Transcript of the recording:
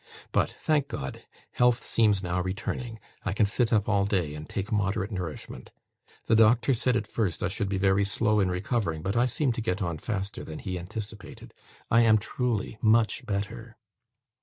But, thank God! health seems now returning. I can sit up all day, and take moderate nourishment. The doctor said at first, I should be very slow in recovering, but I seem to get on faster than he anticipated. I am truly MUCH BETTER."